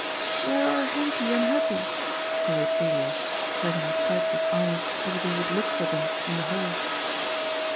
"Where are Henkie and Hubbie?" queried Elias, turn* ing his sightless eyes as if he would look for them in the hall.